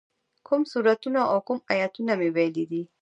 چې کوم سورتونه او کوم ايتونه مې ويلي دي.